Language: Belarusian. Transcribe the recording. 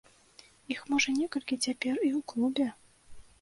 Іх можа некалькі цяпер і ў клубе.